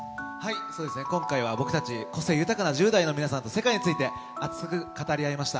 今回は僕たち、個性豊かな１０代の皆さんと世界について熱く語り合いました。